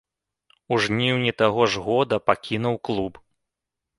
У жніўні таго ж года пакінуў клуб.